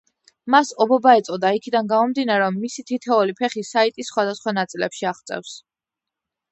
მას ობობა ეწოდა იქიდან გამომდინარე, რომ მისი თითოეული ფეხი საიტის სხვადასხვა ნაწილებში აღწევს.